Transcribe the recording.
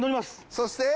そして。